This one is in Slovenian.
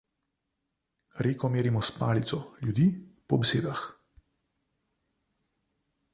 Reko merimo s palico, ljudi po besedah.